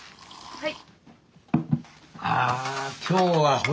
はい。